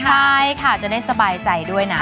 ใช่ค่ะจะได้สบายใจด้วยนะ